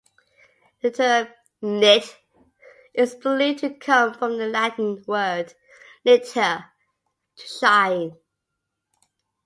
The term "nit" is believed to come from the Latin word "nitere", to shine.